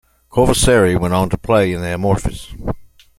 Koivusaari went on to play in Amorphis.